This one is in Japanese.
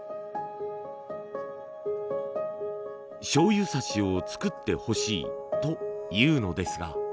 醤油さしを作ってほしいというのですが。